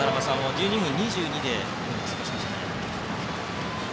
１２分２２で通過しましたね。